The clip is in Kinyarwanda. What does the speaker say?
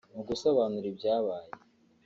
Mu gusobanura ibyabaye